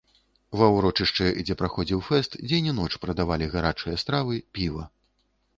Ва ўрочышчы, дзе праходзіў фэст, дзень і ноч прадавалі гарачыя стравы, піва.